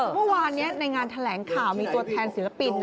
เมื่อวานนี้ในงานแถลงข่าวมีตัวแทนศิลปิน